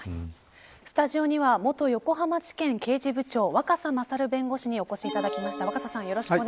スタジオには元横浜地検刑事部長若狭勝弁護士にお越しいただきました。